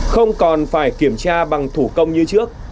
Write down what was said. không còn phải kiểm tra bằng thủ công như trước